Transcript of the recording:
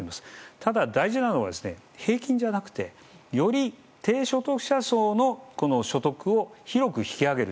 ただ、大事なのは平均じゃなくてより、低所得者層の所得を広く引き上げる。